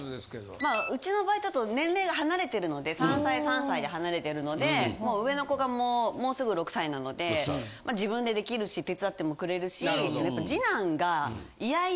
まあうちの場合ちょっと年齢が離れてるので３歳３歳で離れてるのでもう上の子がもうすぐ６歳なのでまあ自分で出来るし手伝ってもくれるしやっぱ次男がイヤイヤ